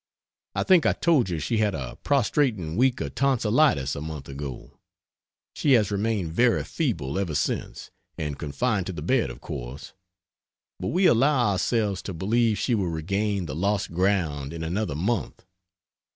I think I told you she had a prostrating week of tonsillitis a month ago; she has remained very feeble ever since, and confined to the bed of course, but we allow ourselves to believe she will regain the lost ground in another month.